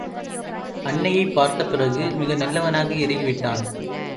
அன்னையைப் பார்த்த பிறகு மிக நல்லவனாக இறுகி விட்டான்.